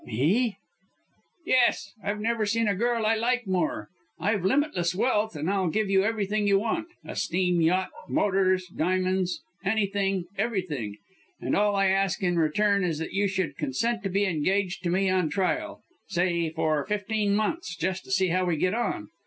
"Me!" "Yes! I've never seen a girl I like more. I've limitless wealth and I'll give you everything you want a steam yacht, motors, diamonds, anything, everything, and all I ask in return is that you should consent to be engaged to me on trial say for fifteen months just to see how we get on!